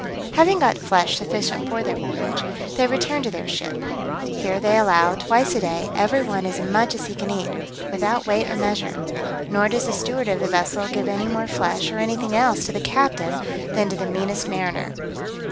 Having got flesh sufficient for their voyage, they return to their ship: here they allow, twice a day, every one as much as he can eat, without weight or measure; nor does the steward of the vessel give any more flesh, or anything else, to the captain, than to the meanest mariner.